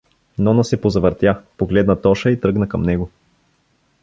Нона се позавъртя, погледна Тоша и тръгна към него.